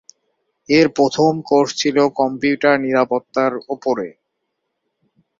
এর প্রথম কোর্স ছিল কম্পিউটার নিরাপত্তার ওপরে।